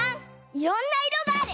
「いろんないろがある」。